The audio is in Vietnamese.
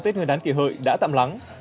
tết nguyên đán kỳ hợi đã tạm lắng